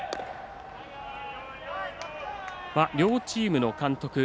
両チームの監督